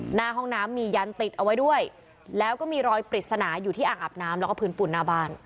หน้าห้องน้ำมียันติดเอาไว้ด้วยแล้วก็มีรอยปริศนาอยู่ที่อ่างอาบน้ำแล้วก็พื้นปูนหน้าบ้าน